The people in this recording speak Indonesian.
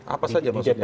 apa saja maksudnya